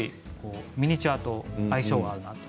ミニチュアと相性が合うなと。